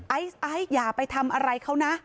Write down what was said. ไอซ์อย่าไปทำอะไรเขานะ